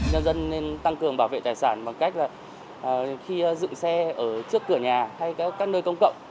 nhân dân nên tăng cường bảo vệ tài sản bằng cách là khi dựng xe ở trước cửa nhà hay các nơi công cộng